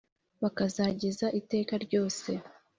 bakazageza iteka ryose